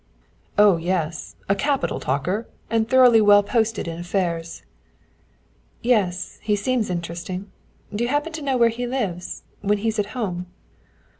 "Oh, yes; a capital talker, and thoroughly well posted in affairs." "Yes, he seemed interesting. Do you happen to know where he lives when he's at home?"